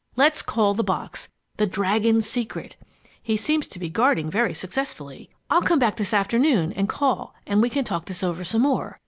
"Let's call the box 'The Dragon's Secret.' He seems to be guarding very successfully! I'll come back this afternoon and call, and we can talk this over some more.